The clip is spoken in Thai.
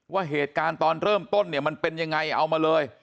ว่าเหตุการณ์ตอนเริ่มต้นเนี่ยมันเป็นยังไงเอามาเลย